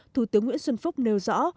thủ tướng nguyễn xuân phúc nêu rõ